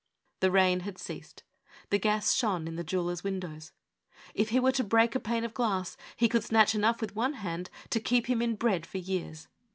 The rain had ceased. The gas shone in the jewelers' windows. If he were to break a pane of glass he could snatch enough with one hand to keep him in bread for years.